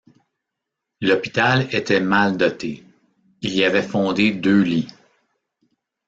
L’hôpital était mal doté ; il y avait fondé deux lits.